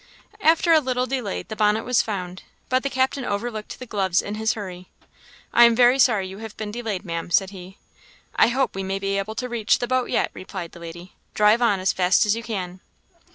After a little delay, the bonnet was found, but the captain overlooked the gloves in his hurry. "I am very sorry you have been delayed, Maam," said he. "I hope we may be able to reach the boat yet," replied the lady. "Drive on as fast as you can!"